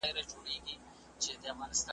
تش په نوم که د نیکونو ژوندي پایو ,